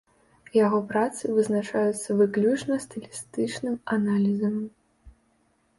Яго працы вызначаюцца выключна стылістычным аналізам.